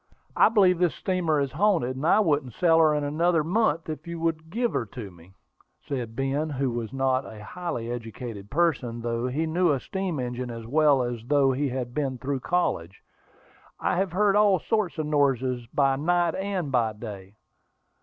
"I believe this steamer is haunted, and I wouldn't sail in her another month if you would give her to me," said Ben, who was not a highly educated person, though he knew a steam engine as well as though he had been through college. "I have heard all sorts of noises by night and by day."